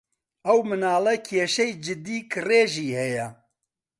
ئەو مناڵە کێشەی جددی کڕێژی ھەیە.